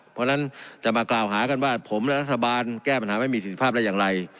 เพราะฉะนั้นจะมากล่าวหากันว่าผมและรัฐบาลแก้ปัญหาไม่มีสิทธิภาพได้อย่างไร